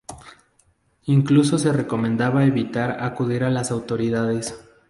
Incluso se recomendaba evitar acudir a las autoridades.